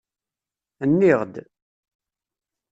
Nniɣ-d.